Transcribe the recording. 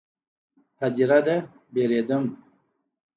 _ هديره ده، وېرېږم.